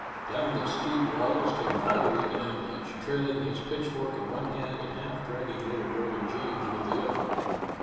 Down the steep walls came father like an avalanche, trailing his pitchfork in one hand and half dragging little brother James with the other.